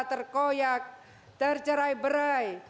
terkoyak tercerai berai